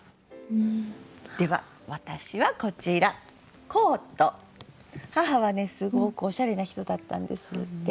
では私はこちら母はねすごくおしゃれな人だったんです。